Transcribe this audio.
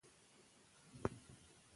په تعلیم کې نظم د ثبات علامت دی.